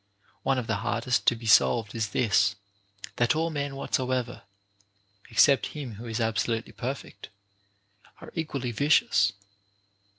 One of the hardest to be solved is this, that all men whatsoever (except him who is absolutely perfect) are equally vicious.